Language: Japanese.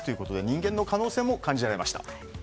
人間の可能性も感じました。